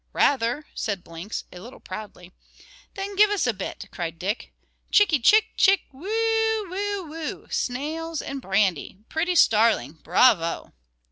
"Rather," said Blinks, a little proudly. "Then give us a bit," cried Dick. "Chickey, chick, chick; whew w w, whew, whew. Snails and brandy! Pretty starling! bravo!"